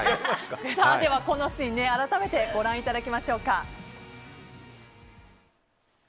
このシーン改めてご覧いただきましょうか。